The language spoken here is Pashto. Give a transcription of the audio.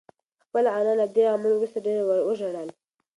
خپله انا له دې عمل وروسته ډېره وژړل.